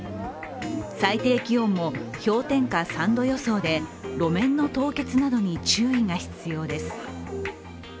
最低気温も氷点下３度予想で路面の凍結などに注意が必要です。